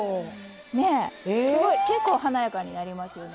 ねえすごい結構華やかになりますよね。